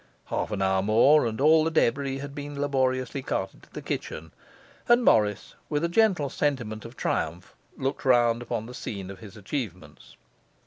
Half an hour more, and all the debris had been laboriously carted to the kitchen; and Morris, with a gentle sentiment of triumph, looked round upon the scene of his achievements.